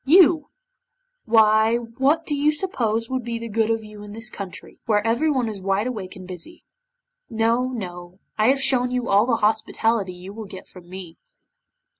You! Why what do you suppose would be the good of you in this country, where everybody is wide awake and busy? No, no, I have shown you all the hospitality you will get from me."